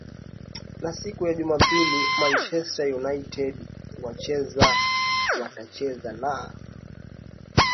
na siku ya jumapili manchester united wacheza watacheza na